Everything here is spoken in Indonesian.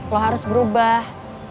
lo harus berubah